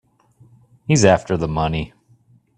He's after the money.